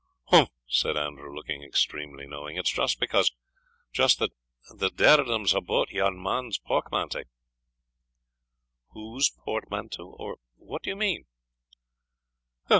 "Umph!" said Andrew, looking extremely knowing, "it's just because just that the dirdum's a' about yon man's pokmanty." "Whose portmanteau? or what do you mean?"